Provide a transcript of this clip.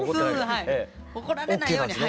はい怒られないように。